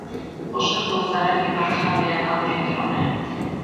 Խոշոր գործարար և արդյունաբերական կենտրոն է։